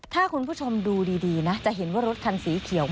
ถ้าคุณผู้ชมดูดีนะจะเห็นว่ารถคันสีเขียว